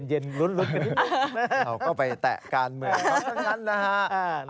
ลุ้นเราก็ไปแตะการเมืองเขาทั้งนั้นนะฮะ